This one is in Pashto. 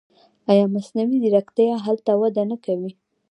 آیا مصنوعي ځیرکتیا هلته وده نه کوي؟